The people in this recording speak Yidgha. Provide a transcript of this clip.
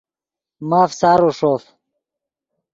ماف سارو ݰوف